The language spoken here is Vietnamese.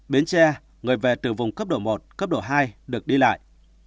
bến tre người về từ vùng cấp độ một cấp độ hai được đi lại